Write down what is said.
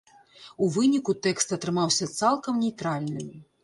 У выніку тэкст атрымаўся цалкам нейтральным.